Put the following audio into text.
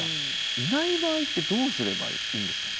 いない場合ってどうすればいいんですかね？